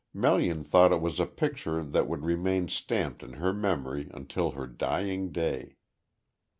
Melian thought it was a picture that would remain stamped in her memory until her dying day.